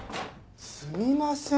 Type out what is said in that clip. すみません。